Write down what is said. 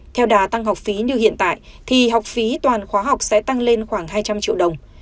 theo đà tăng học phí như hiện tại thì học phí toàn khóa học sẽ tăng lên khoảng hai trăm linh triệu đồng